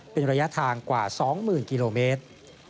เป็นระยะทางกว่า๒๐๐๐กิโลเมตร